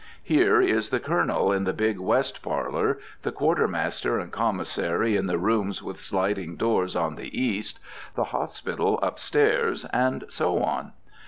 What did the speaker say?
Here is the Colonel in the big west parlor, the Quartermaster and Commissary in the rooms with sliding doors on the east, the Hospital upstairs, and so on.